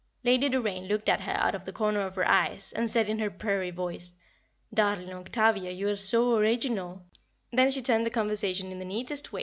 Lady Doraine looked at her out of the corner of her eyes, and said in her purry voice, "Darling Octavia you are so original," and then she turned the conversation in the neatest way.